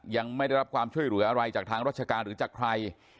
ยังไม่ได้รับความช่วยเหลืออะไรจากทางราชการหรือจากใคร